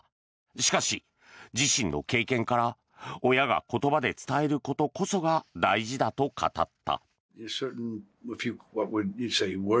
しかし、自身の経験から親が言葉で伝えることこそが大事だと語った。